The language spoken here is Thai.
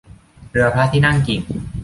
เรือพระที่นั่งกิ่ง